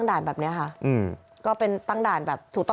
คุณผู้ชมไปฟังเสียงพร้อมกัน